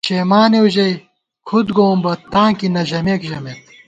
شېمانېؤ ژَئی کھُد گووُم بہ تاں کی نہ ژَمېک ژَمېت